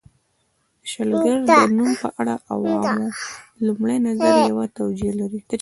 د شلګر د نوم په اړه د عوامو لومړی نظر یوه توجیه لري